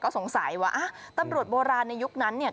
สงสัยว่าตำรวจโบราณในยุคนั้นเนี่ย